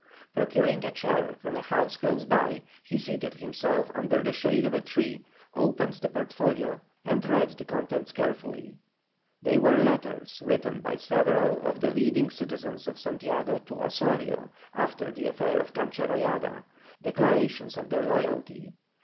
Procuring a chair from a house close by he seated himself under the shade of a tree, opened the portfolio and read the contents carefully. They were letters written by several of the leading citizens of Santiago to Osorio after the affair of Cancha Rayada, declarations of their loyalty.